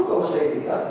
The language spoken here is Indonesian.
kan selain dari